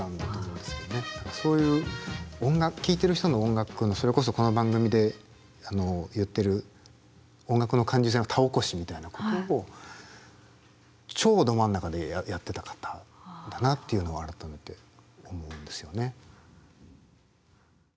そういう音楽聴いてる人の音楽のそれこそこの番組で言ってる音楽の感受性の田起こしみたいなことを超ど真ん中でやってた方だなっていうのは改めて思うんですよね。